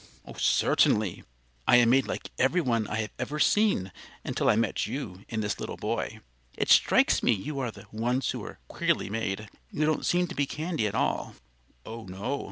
"Certainly; I am made like everyone I have ever seen until I met you and this little boy. It strikes me you are the ones who are queerly made. You don't seem to be candy at all." "Oh no!"